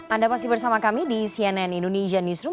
anda masih bersama kami di cnn indonesia newsroom